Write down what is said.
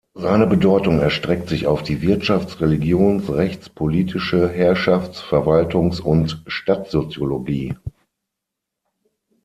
Seine Bedeutung erstreckt sich auf die Wirtschafts-, Religions-, Rechts-, politische, Herrschafts-, Verwaltungs- und Stadtsoziologie.